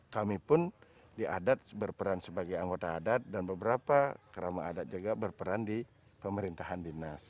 kami pun di adat berperan sebagai anggota adat dan beberapa kerama adat juga berperan di pemerintahan dinas